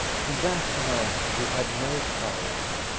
That night you had no power.